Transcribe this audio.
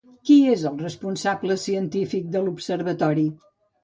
Qui és el responsable científic de l'observatori?